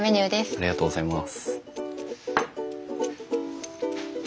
ありがとうございます。